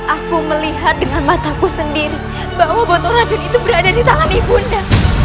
aku melihat dengan mataku sendiri bahwa botol racun itu berada di tangan ibunda